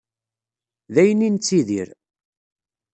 D ayen i nettidir.